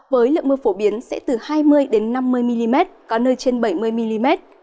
với lượng mưa phổ biến sẽ từ hai mươi năm mươi mm có nơi trên bảy mươi mm